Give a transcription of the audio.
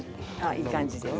いい感じです。